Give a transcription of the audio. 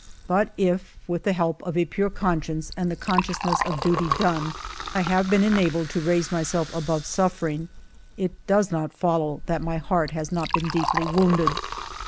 But if, with the help of a pure conscience and the consciousness of duty done, I have been enabled to raise myself above suffering, it does not follow that my heart has not been deeply wounded.